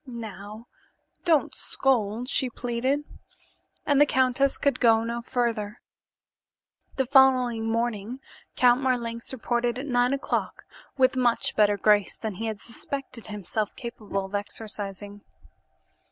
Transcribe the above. "Now, don't scold," she pleaded, and the countess could go no further. The following morning Count Marlanx reported at nine o'clock with much better grace than he had suspected himself capable of exercising.